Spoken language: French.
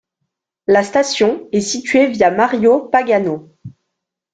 La station est situé via Mario Pagano.